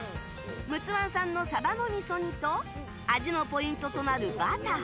陸奥湾産の鯖の味噌煮と味のポイントとなるバター。